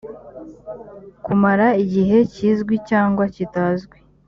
kumara igihe kizwi cyangwa kitazwi